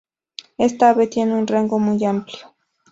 Esta ave tiene un rango muy amplio.